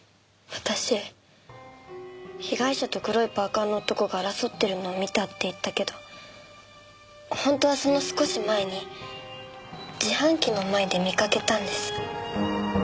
私被害者と黒いパーカの男が争ってるのを見たって言ったけど本当はその少し前に自販機の前で見かけたんです。